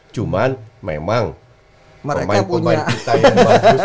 cuman memang pemain pemain kita yang bagus